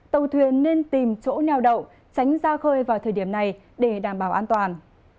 tàu thuyền nên tìm chỗ neo đậu tránh ra khơi vào thời điểm này để đảm bảo an toàn